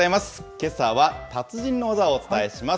けさは達人の技をお伝えします。